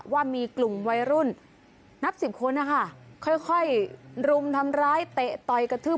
ว่ามีกลุ่มวัยรุ่นนับสิบคนนะคะค่อยรุมทำร้ายเตะต่อยกระทืบ